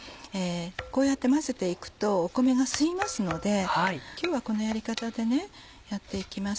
こうやって混ぜていくと米が吸いますので今日はこのやり方でやっていきます。